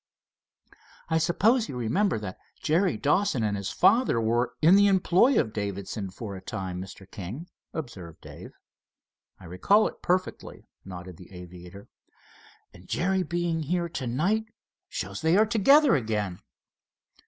"I suppose you remember that Jerry Dawson and his father were in the employ of Davidson for a time, Mr. King?" observed Dave. "I recall it perfectly," nodded the aviator. "And Jerry being here to night shows they are together again."